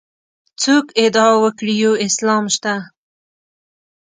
څوک ادعا وکړي یو اسلام شته.